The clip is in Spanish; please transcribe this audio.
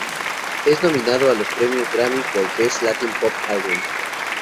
Es nominado a los Premios Grammy por "Best Latin Pop Album".